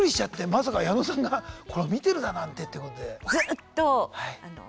まさか矢野さんが見てるだなんてってことで。